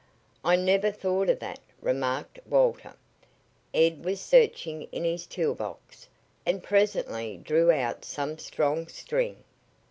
"I never thought of that," remarked Walter. Ed was searching in his tool box, and presently drew out some strong string.